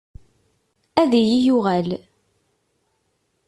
Ad iyi-yuɣal.